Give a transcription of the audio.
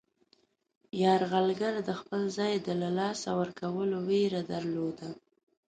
یرغلګر د خپل ځای د له لاسه ورکولو ویره درلوده.